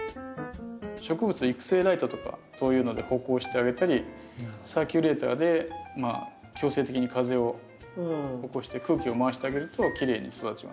植物育成ライトとかそういうので補光してあげたりサーキュレーターで強制的に風を起こして空気を回してあげるときれいに育ちますね。